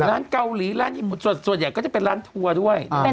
ร้านเกาหลีร้านญี่ปุ่นส่วนใหญ่ก็จะเป็นร้านทัวร์ด้วย